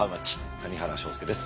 谷原章介です。